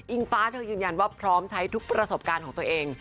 ฟ้าเธอยืนยันว่าพร้อมใช้ทุกประสบการณ์ของตัวเอง